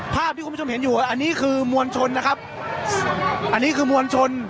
ภาพที่คุณผู้ชมเห็นอยู่อันนี้คือมวลชนนะครับอันนี้คือมวลชน